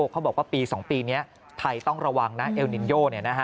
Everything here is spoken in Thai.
เขาบอกว่าปี๒ปีนี้ไทยต้องระวังนะเอลนินโย